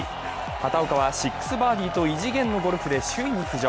畑岡は６バーディーと異次元のゴルフで首位に浮上。